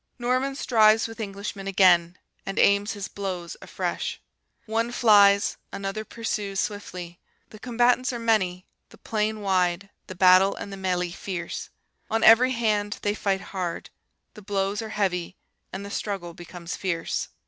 Norman strives with Englishman again, and aims his blows afresh. One flies, another pursues swiftly: the combatants are many, the plain wide, the battle and the MELEE fierce. On every hand they fight hard, the blows are heavy, and the struggle becomes fierce.